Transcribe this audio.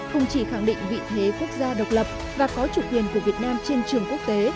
không chỉ khẳng định vị thế quốc gia độc lập và có chủ quyền của việt nam trên trường quốc tế